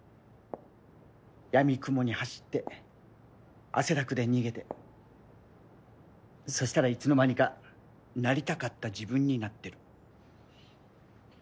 やみくもに走って汗だくで逃げてそしたらいつの間にかなりたかった自分になってる。